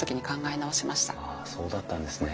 あそうだったんですね。